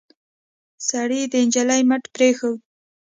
سړي د نجلۍ مټ پرېښود.